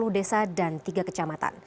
sepuluh desa dan tiga kecamatan